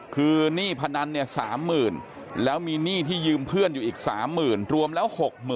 คือหนี้พนันเนี่ย๓๐๐๐แล้วมีหนี้ที่ยืมเพื่อนอยู่อีก๓๐๐๐รวมแล้ว๖๐๐๐